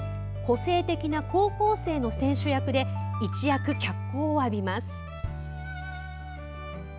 個性的な高校生の選手役で一躍脚光を浴びます。